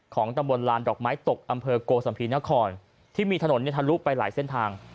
ตำบลลานดอกไม้ตกอำเภอโกสัมภีนครที่มีถนนทะลุไปหลายเส้นทาง